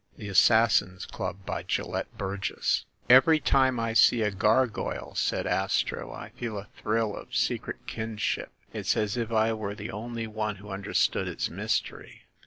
THE ASSASSINS' CLUB VERY time I see a gargoyle/' said Astro, "I feel a thrill of secret kinship. It's as if I were the only one who understood its mystery.